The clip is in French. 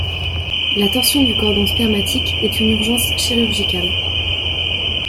La torsion du cordon spermatique est une urgence chirurgicale.